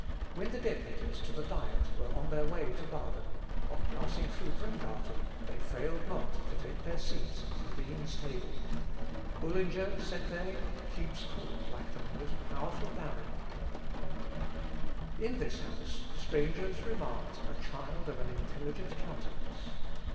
When the deputies to the Diet were on their way to Baden, on passing through Bremgarten they failed not to take their seats at the dean's table. "Bullinger," said they, "keeps court like the most powerful baron." [Sidenote: SAMSON AND THE DEAN.] In this house strangers remarked a child of an intelligent countenance.